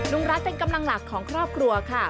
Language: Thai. ลุงรัฐเป็นกำลังหลักของครอบครัวค่ะ